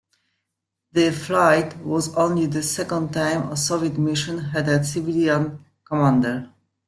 The flight was only the second time a Soviet mission had a civilian commander.